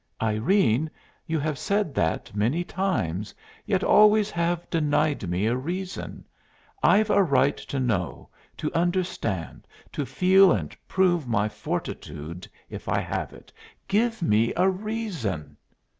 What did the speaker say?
"Irene, you have said that many times, yet always have denied me a reason. I've a right to know, to understand, to feel and prove my fortitude if I have it. Give me a reason."